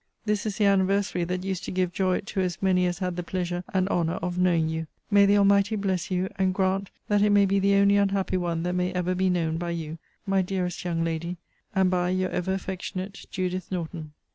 This is the anniversary that used to give joy to as many as had the pleasure and honour of knowing you. May the Almighty bless you, and grant that it may be the only unhappy one that may ever be known by you, my dearest young lady, and by Your ever affectionate JUDITH NORTON.